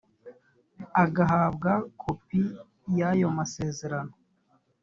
agahabwa kopi y ayo masezerano